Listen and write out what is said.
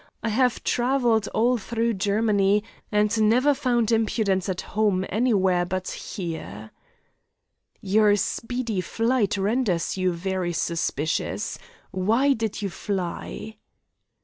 I have travelled all through Germany, and never found impudence at home, anywhere but here." "Your speedy flight renders you very suspicious. Why did you fly?"